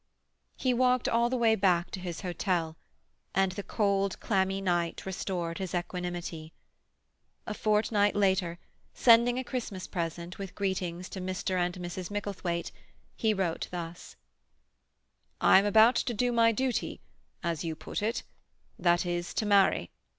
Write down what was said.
He walked all the way back to his hotel, and the cold, clammy night restored his equanimity. A fortnight later, sending a Christmas present, with greetings, to Mr. and Mrs. Micklethwaite, he wrote thus— "I am about to do my duty—as you put it—that is, to marry.